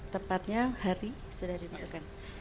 tepatnya hari sudah ditentukan